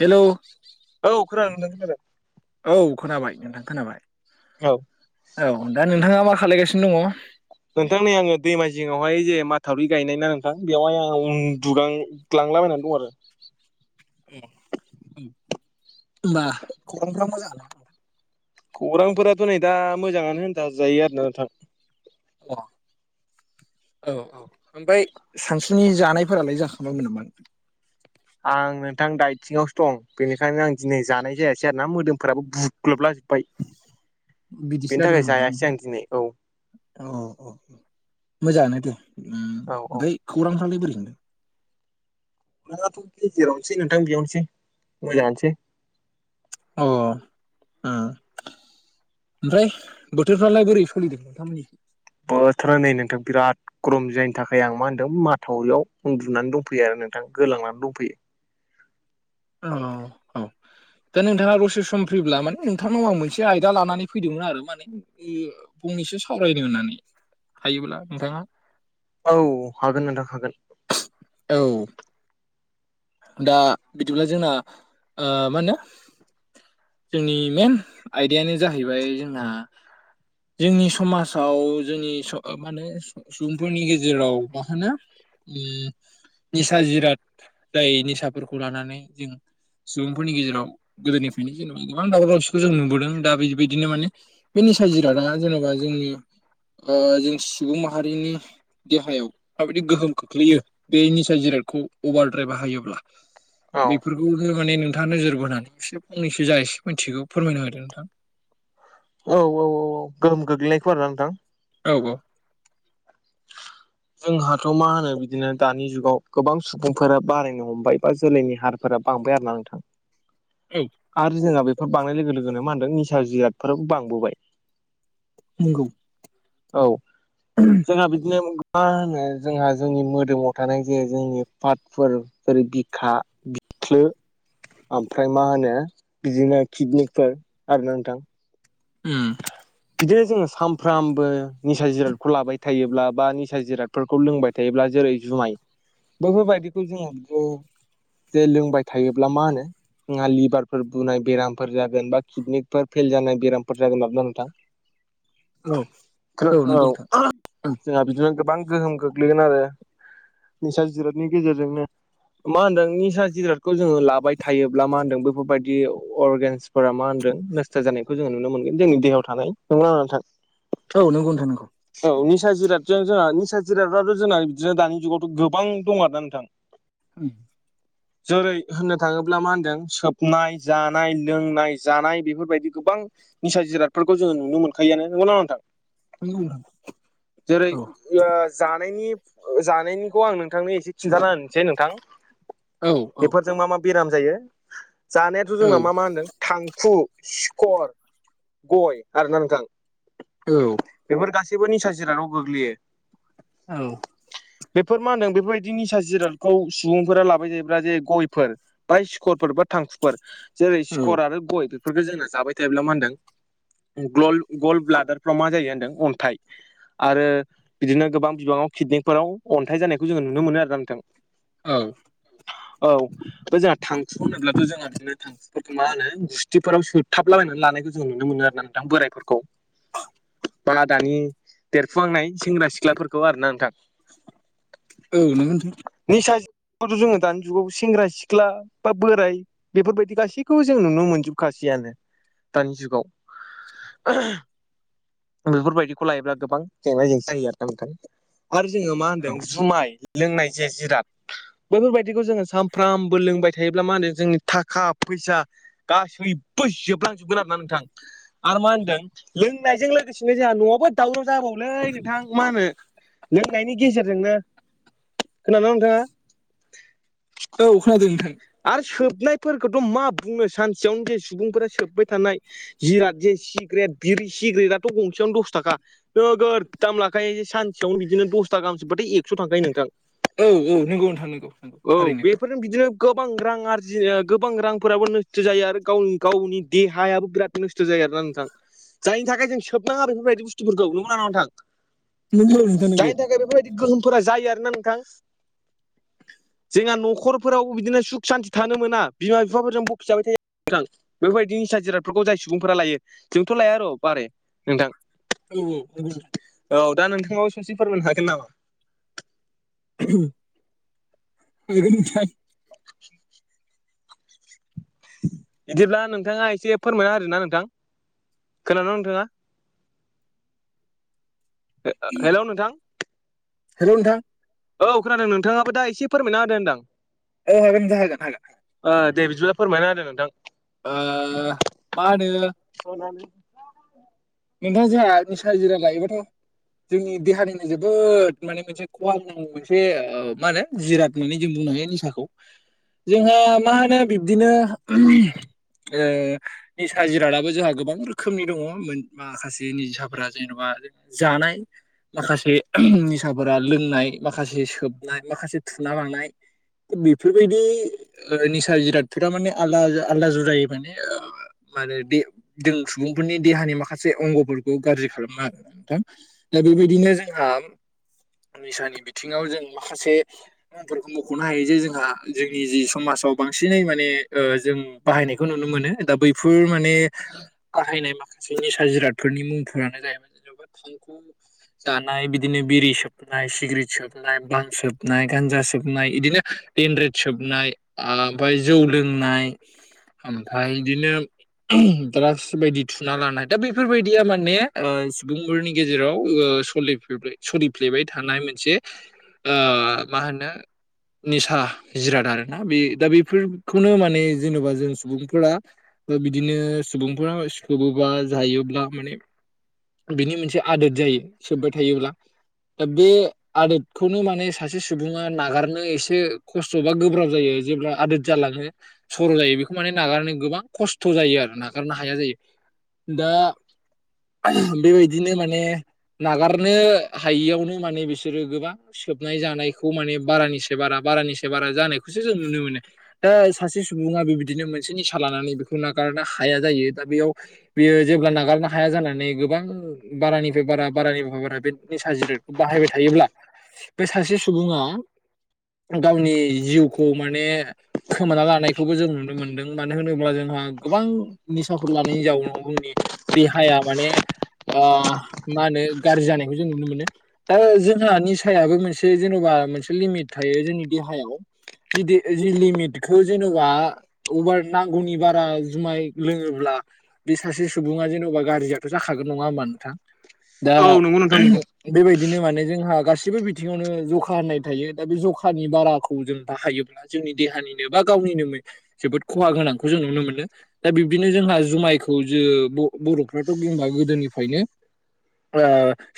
Hello औ खोनानदों नोंथां खोनादों औ खोनाबाय नोंथां खोनाबाय औ औ दा नोंथाङा मा खालायगासिनो दङ? नोंथां नै आङो दैमा जिङावहाय जे माथावरि गायनाय ना नोंथां बेवहाय आं उन्दुगां ग्लांलाबायनानै दं आरो होनबा खौरांफोरा मोजां ना? खौरांफोराथ' नै दा मोजाङानो होनजाजायो आरो ना नोंथां अ औ औ ओमफ्राय सानसुनि जानायफोरालाय जाखां [unintelligible] नामा आं नोंथां दाइथिंआवसो दं बेनिखायनो आं दिनै जानाय जायासै आरो ना मोदोमफोराबो बु ग्लब्लाजोब्बाय बेनि थाखाय जायासै आं दिनै औ औ औ मोजांनो दे उम औ औ ओमफ्राय खौरांफ्रालाय बोरैदों? खौरांआथ' गेजेरावनोसै नोंथां बेयावनोसै मोजांआनोसै औ ओ ओमफ्राय बोथोरफ्रालाय बोरै सोलिदों नोंथांमोननि ओ बोथोरा नै नोंथां बिराद ग्रम जायनि थाखाय आं मा होनदों माथावरियाव उन्दुनानै दंफैयो आरो नोंथां गोलांनानै दंफैयो औ औ दा नोंथाङा दसे सम फैब्ला माने नोंथांनाव आं मोनसे आयदा लानानै फैदोंमोन आरो माने फंनैसो सावरायनो होननानै हायोब्ला नोंथाङा औ हागोन नोंथां हागोन औ दा बिदिब्ला जोंना मा होनो जोंनि मेन आयदायानो जाहैबाय जोंहा जोंनि समाजाव जोंनि स माहोनो सुबुंफोरनि गेजेराव मा होनो ओम निसा जिराद जाय निसाफोरखौ लानानै जों सुबुंफोरनि गेजेराव गोदोनिफ्रायनो जेन' गोबां दावराव दावसिखौ जों नुबोदों दा बेबायदिनो माने बे निसा जिरादा जेनेबा जोंनि ओ जों सुबुं माहारिनि देहायाव माबायदि गोहोम खोख्लैयो बे निसा जिरादखौ अभार द्राइ बाहायोब्ला औ बेफोरखौ माने नोंथाङा नोजोर बोनानै एसे फनैसो जा एसे मिथिगौ फोरमायनो होदो नोंथां औ औ औ औ गोहोम गोग्लैनायखौ आरो ना नोंथां औ औ जोंहाथ' मा होनो बिदिनो दानि जुगाव गोबां सुबुंफोरा बारायनो हमबाय बा जोलैनि हांर फोरा बांबाय आरो ना नोंथां औ आरो जोंहा बेफोर बांनाय लोगो लोगोनो मा होनदों निसा जिरादफोराब बांबोबाय नंगौ औ जोंहा बिदिनो मा होनो जोंहा जोंनि मोदोमाव थानाय जे जोंनि पाटफोर जेरै बिखा बिख्लो ओमफ्राय मा होनो बिदिनो किटनिकफोर आरो ना नोंथां [unintelligible] बिदिनो जोङो सानफ्रामबो निसा जिरादखौ लाबाय थायोब्ला बा निसा जिराद फोरखौ लोंबाय थायोब्ला जेरै जुमाय बेैफोरबायदिखौ जोङो बेखौ जे लोंबाय थायोब्ला मा होनो हा लिभारफोर बुनाय बेरामफोर जागोन बा किडनेफ्रा फेल जानाय बेरामफोर जागोन आरोना नोंथां औ खोनाद नंगौ नोंथां औ ओं जोंहा बिदिनो गोबां गोहोम गोग्लैगोन आरो निसा जिरादनि गेजेरजोंनो मा होनदों निसा जिरादखौ जोङो लाबाय थायोब्ला मा होनदों बैफोरबायदि अरगेनस फोरा मा होनदों नस्थ' जानायखौ जोङो नुनो मोनगोन जोंनि देहायाव थानाय नंगौना नङा नोंथां औ नंगौ नोंथां नंगौ औ निसा जिरादजों जोंहा निसा जिरादाथ' जोंना बिदिनो दानि जुगावथ' गोबां दं आरोना नोंथां उम जेरै होननो थाङोब्ला मा होनदों सोबनाय जानाय लोंनाय जानाय बेफोरबायदि गोबां निसा जिरादफोरखौ जोङो नुनो मोनखायोयानो नंगौना नङा नोंथां नंगौ नोंथां जेरै औ जानायनि जानायनिखौ आं नोंथांनो एसे खिनथाना होनि जे नोंथां औ औ बेफोरजों मा मा बेराम जायो जानायाथ' औ जोंना मा मा होनदों थांखु सिखर गय आरोना नोंथां औ बेफोर गासैबो निसा जिरादाव गोग्लैयो औ बेफोर मा होनदों बेफोरबायदि निसा जिरादखौ सुबुंफोरा लाबाय जायोब्ला जे गयफोर बाय सिखरफोर बा थांखुफोर जेरै औ सिकर आरो गय बेफोरखौ जोङो जाबाय थायोब्ला मा होनदों ग्लल गल‌ ब्लादारफ्राव मा जायो होनदों अनथाइ आरो बिदिनो गोबां बिबाङाव किदनिकफोराव अनथाइ जानायखौ जोङो नुनो मोनो आरोना नोंथां औ औ बे जोंहा थांखु होनोब्लाथ' जोंहा बिदिनो थांखुफोरखौ मा होनो गुस्थिफोराव सोथाबलाबायनानै लानायखौ ज जों नुनो मोनो आरोना नोंथां बोरायफोरखौ बा दानि देरफुहांनाय सेंग्रा सिख्लाफोरखौ आरोना नोंथां औ नंगौ नोंथां निसा जथ' जोङो दानि जुगाव सेंग्रा सिख्ला बा बोराय बेफोरबायदि गासैखौबो जों नुनो मोनजोबखासैयानो दानि जुगाव बेफोरबायदिखौ लायोब्ला गोबां जेंना जेंसि जायो आरोना नोंथां आरो जोङो मा होनदों औ जुमाय लोंनाय जे जिराद बैफोरबायदिखौ जोङो सानफ्रामबो लोंबाय थायोब्ला मा होनो जोंनि थाखा फैसा गासैबो जोबलांजोबगोन आरोना नोंथां आरो मा होनदों लोंनायजों लोगो ओ सिबाय जोंहा न'आवबो दावराव जाबावलै नोंथां मा होनो लोंनायनि गेजेरजोंनो खोनादोंना नोंथाङा औ खोनादों नोंथां आरो सोबनायफोरखौथ' मा बुंनो सानसेयावनो जे सुबुंफोरा सोबबाय थानाय जिराद जे सिग्रेट बिरि सिग्रेटाथ' गंसेयावनो दस थाखा नोगोर दाम लाखायो सानसेयावनो बिदिनो दसथा गाहाम सोबबाथाय एकस' थांखायो नोंथां औ औ नंगौ नोंथां नंगौ थारैनो जों बिदिनो गोबां रां आरजियो गोबां रांफोराबो नस्थ' जायो आरो गावनि गावनि देहायाबो बिराद नस्थ' जायो आरोना नोंथां [inaudible] जायनि थाखाय जों सोबनाङा बेफोरबायदि बुस्थुफोरखौ नंगौना नङा नोंथां नंगौ नोंथां नंगौ जायनि थाखाय बेफोरबायदि गोहोमफोरा जायो आरोना नोंथां जोंहा न'खरफोराव बिदिनो सुख सानथि थानो मोना बिमा बिफाफोरजोंबो बखि जाबाय थायो नोंथां बेफोरबायदि निसा जिरादफोरखौ जाय सुबुंफोरा लायो जोंथ' लाया र' बारे नोंथां औ औ नंगौ नोंथां औ दा नोंथाङाबो ससे फोरमायनो हागोन नामा? [unintelligible] [inaudible] बिदिब्ला नोंथाङा एसे फोरमायना होदोना नोंथां खोनादों ना नोंथाङा [unintelligible] हेलौ नोंथां हेल' नोंथां औ खोनादों नोंथाङाबो दा एसे फोरमायना होदो होनदां औ हागोन नोंथां हागोन हागोन ओ दे बिदिब्ला फोरमायना होदो नोंथां ओ मा होनो औ नंगौ नोंथां जोंहा निसा जिराद लायोबाथ' जोंनि देहानिनो जोबोद माने मोनसे खहा मोनसे ओ मा होनो जिराद होननानै जों बुंनो हायो निसाखौ जोंहा मा होनो बिब्दिनो [unintelligible] ओ निसा जिरादाबो जोंहा गोबां रोखोमनि दङ माखासे निसाफोरा जेन'बा जानाय माखासे निसाफोरा लोंनाय माखासे सोबनाय माखासे थुना लानाय बेफोरबायदि ओ निसा जिरादफोरा माने आलादा आलदा जुदायो माने ओ माने जों सुबुंफोरनि देहानि माखा से अंग'फोरखौ गाज्रि खालामो आरोना नोंथां दा बेबायदिनो जोंहा निसानि बिथिङाव जों माखासे मुंफोरखौ मख'नो हायो जे जोंहा जोंनि जि समाजाव बांसिनै माने ओ जों बाहायनायखौ नुनो मोनो दा बैफोर माने बाहायनाय माखासे बे निसा जिरादफोरनि मुंफोरानो जाहैबाय जेनेबा थांखु जानाय बिदिनो बिरि सोबनाय सिग्रेट सोबनाय बां सोबनाय गान्जा सोबनाय इदिनो देनद्रेद सोबनाय ओमफ्राय जौ लोंनाय ओमफाय इदिनो ड्राग्स बायदि थुना लानाय दा बेफोरबायदिया माने ओ सुबुंफोरनि गेजेराव ओ सलिफ्लेबाय सलि फ्लेबाय थानाय मोनसे ओ मा होनो निसा जिराद आरोना बे दा बेफोरखौनो माने जेनेबा जों सुबुंफोरा बिदिनो सुबुंफोरा सोबोबा जायोब्ला माने बिनि मोनसे आदोद जायो सोब्बाय थायोब्ला दा बे आदोदखौनो माने सासे सुबुङा नागारनो एसे खस्थ' बा गोब्राब जायो जेब्ला आदोद जालाङो सर' जायो बेखौ माने नागारनो गोबां खस्थ' जायो आरो नागारनो हाया जायो दा [unintelligible] बेबायदिनो माने नागारनो हायियावनो माने बिसोरो गोबां सोबनाय जानायखौ माने बारानिसे बारा बारानिसे बारा जानायखौसो जों नुनो मोनो दा सासे सुबुङा बेबिदिनो मोनसे निसा लानानै बेखौ नागारनो हाया जायो दा बेयाव बियो जेब्ला नागारनो हाया जानानै गोबां बारानिफ्राय बारा बारानिफ्राय बारा बे निसा जिराद बाहायबाय थायोब्ला बे सासे सुबुङा गावनि जिउखौ माने खोमाना लानायखौबो जों नुनो मोन्दों मानो होनोब्ला जोंहा गोबां निसाफोर लानायनि जाउनाव जोंनि देहाया माने आ मा होनो गाज्रि जानायखौ जों नुनो मोनो दा जोंहा निसायाबो मोनसे जेन'बा मोनसे लिमिट थायो जोंनि देहायाव जिदि जि लिमिटखौ जेनेबा अबार नांगौनि बारा जुमाय लोङोब्ला बे सासे सुबुङा जेन'बा गाज्रिआथ' जाखागोन नङा होमबा नोंथां दा औ नंगौ नोंथां नंगौ बेबायदिनो माने जोंहा गासैबो बिथिङावनो जखा होननाय थायो दा बे जखानि बाराखौ जों बाहायोब्ला जोंनि देहानिनो बा गावनिनो मोन जोबोद खहा गोनांखौ जों नुनो मोनो दा बिब्दिनो जोंहा जुमायख खौ जो ब-बर'फ्राथ' बुंबा गोदोनिफ्रायनो आ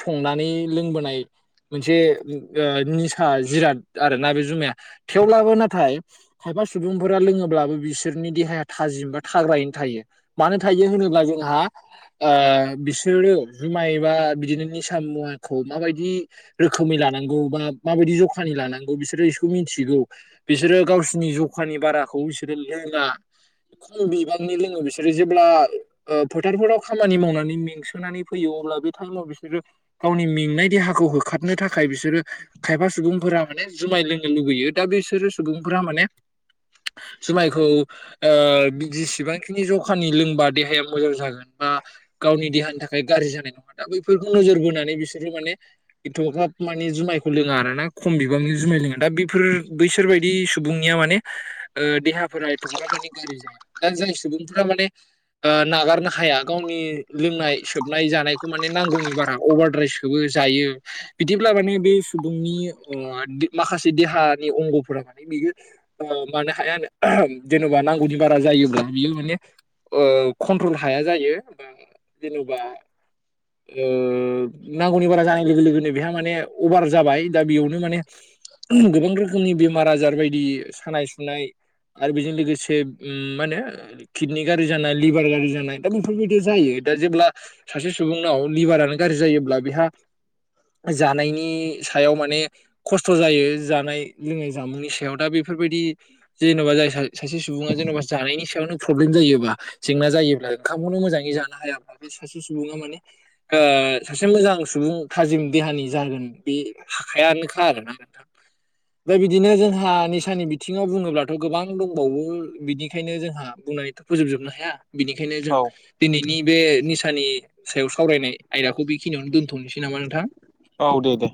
संनानै लोंबोनाय मोनसे ओ निसा जिराद आरोना बे जुमाया थेवब्लाबो नाथाय खायफा सुबुंफोरा लोङोब्लाबो बिसोरनि देहाया थाजिम बा थाग्रायैनो थायो। मानो थायो होनोब्ला जोंहा ओ बिसोरो जुमायबा बिदिनो निसा मुवाखौ माबायदि रोखोमै लानांगौ बा माबायदि ज'खानि लानांगौ बिसोरो इखौ मिथिगौ। बिसोरो गावसिनि ज'खानि बाराखौ बिसोरो लोङा। खम बिबांनि लोङो बिसोरो जे ब्ला ओ फोथारफोराव खामानि मावनानै मेंसोनानै फैयो अब्ला बे टाइमाव बिसोरो गावनि मेंनाय देहाखौ होखारनो थाखाय बिसोरो खायफा सुबुंफोरा माने जुमाय लोंनो लुबैयो दा बिसोरो सुबुंफोरा माने जुमायखौ ओ बि जेसेबांखिनि ज खानि लोंबा देहाया मोजां जागोन बा गावनि देहानि थाखाय गारजि जानाय नङा दा बैफोरखौ नोजोर बोनानै बिसोरो माने एथ'खाब माने जुमायखौ लोङा आरोना ख'म बिबांनि जुमाय लोङा दा बेफोर बैसोरबायदि सुबुंनिया माने ओ देहाफोरा एथ'ग्राब माने गाज्रि जाया दा जाय सुबुंफ्रा माने ओ नागारनो हाया गावनि लोंनाय, सोबनाय, जानायखौ माने नांगौनि बारा अभारद्राइ सो सोबो जायो बिदिब्ला माने बे सुबुंनि अ माखासे देहानि अंगफोरा माने बियो ओ मानो हायानो जेनेबा नांगौनि बारा जायोब्ला बियो माने ओ कन्ट्रल हाया जायो जेन'बा ओ नांगौनि बारा जानाय लोगो लोगोनो बेहा माने अभार जाबाय दा बियावनो माने गोबां रोखोमनि बेमार-आजार बायदि सानाय-सुनाय आरो बेजों लोगोसे उम मा होनो किडनि गाज्रि जानाय लिभार गाज्रि जानाय दा बेफोरबायदि जायो। दा जेब्ला सासे सुबुंनाव लिभारानो गारज्रि जायोब्ला बिहा जानायनि सायाव माने खस्थ' जायो जानाय लोंनाय जामुंनि सायाव दा बेफोरबायदि जेन'बा जाय सा-सासे सुबुङा जेन'बा जानायनि सायावनो प्रब्लेम जायोबा जेंना जायोब्ला ओंखामखौनो मोजाङै जानो हायाब्ला बे सासे सुबुङा माने ओ सासे मोजां सुबुं थाजिम देहानि जागोन बे हाखायानोखा आरोना नोंथां। [inaudible] दा बिदिनो जोंहा निसानि बिथिङाव बुङोब्लाथ' गोबां दंबावो बिनिखायनो जोंहा बुंनानैथ' फोजोबजोबनो हाया बिनिखायनो जों औ दिनैनि बे निसानि सायाव सावरायनाय आयदाखौ बेखिनियावनो दोनथ'नसै नामा नोंथां? औ दे दे।